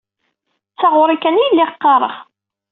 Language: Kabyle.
D taɣuri kan ay lliɣ qqareɣ.